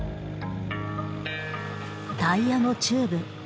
タイヤのチューブ。